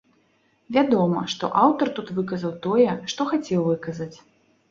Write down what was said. Вядома, што аўтар тут выказаў тое, што хацеў выказаць.